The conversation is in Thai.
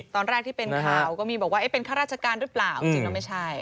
ตอนแรกที่เป็นข่าวก็มีบอกว่าเป็นข้าราชการหรือเปล่าจริงแล้วไม่ใช่